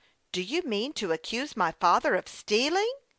" Do you mean to accuse my father of stealing